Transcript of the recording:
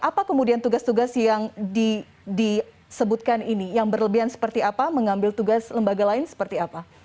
apa kemudian tugas tugas yang disebutkan ini yang berlebihan seperti apa mengambil tugas lembaga lain seperti apa